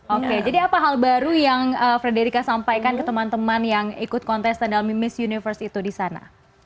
oke jadi apa hal baru yang frederica sampaikan ke teman teman yang ikut kontestan dalam miss universe itu di sana